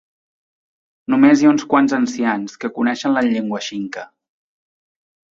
Només hi ha uns quants ancians que coneixen la llengua xinca.